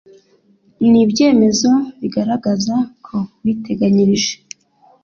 nibyemezo bigaragaza ko witeganyirije